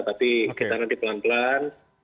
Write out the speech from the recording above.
tapi kita nanti pelan pelan